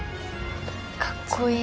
かっこいい。